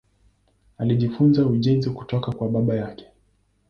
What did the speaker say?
Alijifunza ujenzi kutoka kwa baba yake.